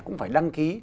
cũng phải đăng ký